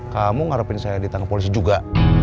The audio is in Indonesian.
kamu ngarapin saya ditangkap polisi juga